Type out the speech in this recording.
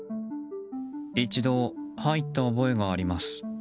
一度入った覚えがあります。